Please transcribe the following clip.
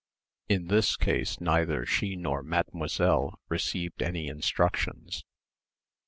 In this case neither she nor Mademoiselle received any instructions.